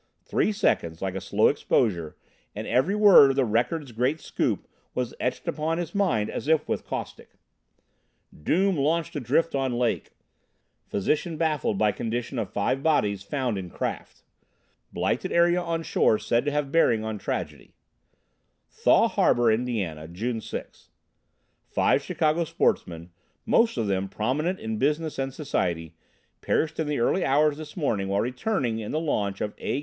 Three seconds, like a slow exposure, and every word of the Record's great scoop was etched upon his mind as if with caustic: DOOM LAUNCH ADRIFT ON LAKE Physician Baffled by Condition of Five Bodies Found in Craft Blighted Area on Shore Said to Have Bearing on Tragedy THAW HARBOR, IND., June 6. Five Chicago sportsmen, most of them prominent in business and society, perished in the early hours this morning while returning in the launch of A.